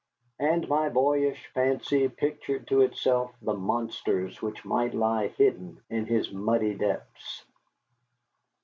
And my boyish fancy pictured to itself the monsters which might lie hidden in his muddy depths.